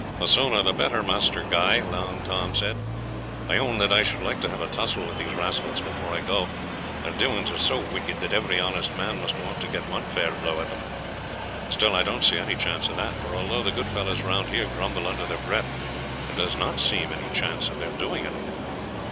"The sooner the better, Master Guy," Long Tom said. "I own that I should like to have a tussle with these rascals before I go; their doings are so wicked that every honest man must want to get one fair blow at them. Still, I don't see any chance of that, for although the good fellows round here grumble under their breath, there does not seem any chance of their doing anything.